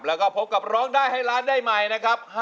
แล้วก็พบกับร้องได้ให้ล้านได้ใหม่นะครับ